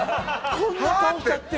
そんな顔しちゃって。